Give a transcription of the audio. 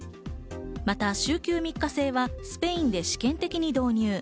また週休３日制はスペインで試験的に導入。